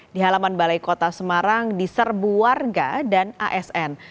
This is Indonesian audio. di halaman balai kota semarang diserbu warga dan asn